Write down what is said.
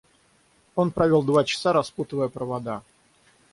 Он провёл два часа, распутывая провода.